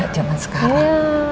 nanti jaman sekarang